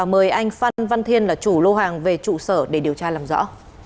mời anh phan văn thiên là chủ lô hàng về trụ sở để điều tra làm rõ